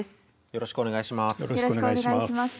よろしくお願いします。